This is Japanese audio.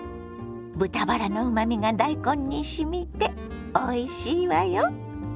豚バラのうまみが大根にしみておいしいわよ。